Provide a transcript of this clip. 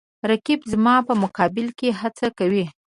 رقیب زما په مقابل کې هڅه کوي